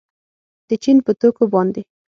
د چین په توکو باندې